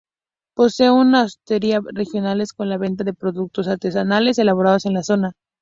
Posee una hostería. Regionales con la venta de productos artesanales elaborados en la zona.